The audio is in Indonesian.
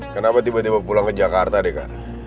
kenapa tiba tiba pulang ke jakarta deka